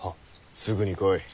すぐに来い。